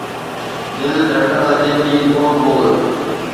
دل ڌڙڪڻ لڳي ٿي گول گول